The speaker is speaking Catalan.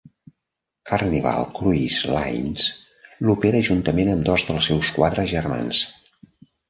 Carnival Cruise Lines l'opera juntament amb dos dels seus quatre germans.